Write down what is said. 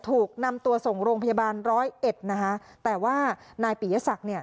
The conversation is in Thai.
ถูกนำตัวส่งโรงพยาบาลร้อยเอ็ดนะคะแต่ว่านายปียศักดิ์เนี่ย